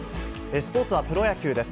スポーツはプロ野球です。